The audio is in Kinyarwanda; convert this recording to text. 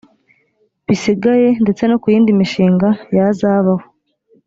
bisigaye ndetse no ku yindi mishinga yazabaho